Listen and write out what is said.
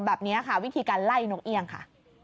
แบบนี้ค่ะวิธีการไล่นกเอี่ยงค่ะ